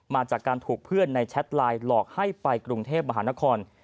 มาจากการถูกเพื่อนในแชทไลน์หลอกให้ไปกรุงเทพมหานคร